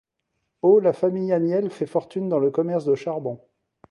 Au la famille Haniel fait fortune dans le commerce de charbon.